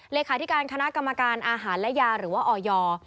เลขาธิการคณะกรรมการอาหารและยาหรือว่าออย